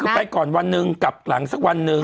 คือไปก่อนวันหนึ่งกลับหลังสักวันหนึ่ง